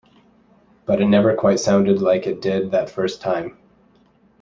But it never quite sounded like it did that first time.